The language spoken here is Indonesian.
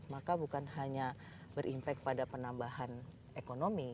maka bukan hanya berimpak pada penambahan ekonomi